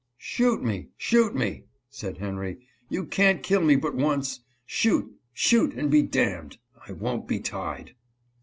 " Shoot me, shoot me," said Henry ;" you can't kill me but once. Shoot, shoot, and be damned ! I won't be tied